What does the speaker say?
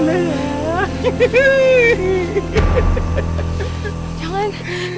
jangan jangan jangan